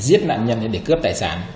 giết nạn nhân để cướp tài sản